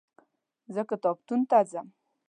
زه کتابتون ته ځم.